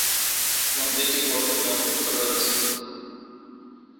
মন্দিরটি বর্তমানে অক্ষত রয়েছে।